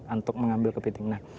untuk mengambil kepiting nah